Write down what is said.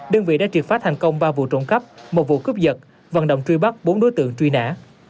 đơn vị đã triệt phá thành công ba vụ trộm cắp một vụ cướp giật vận động truy bắt bốn đối tượng truy nã